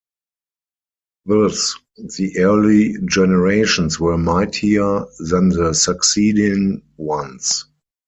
Thus, the early generations were mightier than the succeeding ones.